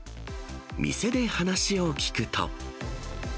店で話を聞くと。